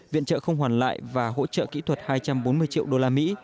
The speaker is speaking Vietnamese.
viện trợ không hoàn lại và hỗ trợ kỹ thuật hai trăm bốn mươi triệu usd